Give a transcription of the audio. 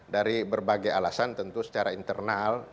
dari berbagai alasan tentu secara internal